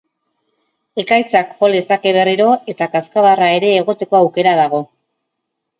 Ekaitzak jo lezake berriro, eta kazkabarra ere egoteko aukera dago.